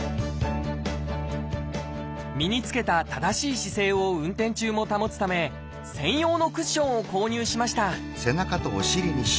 身につけた正しい姿勢を運転中も保つため専用のクッションを購入しました